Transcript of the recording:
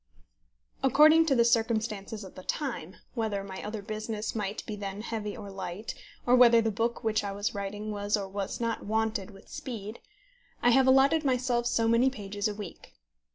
According to the circumstances of the time, whether my other business might be then heavy or light, or whether the book which I was writing was or was not wanted with speed, I have allotted myself so many pages a week.